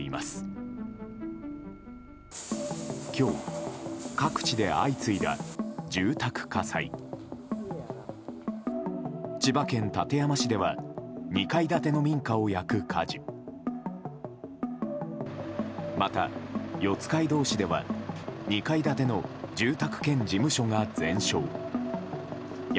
また四街道市では２階建ての住宅兼事務所が全焼。